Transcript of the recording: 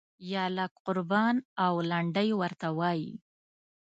یاله قربان او لنډۍ ورته وایي.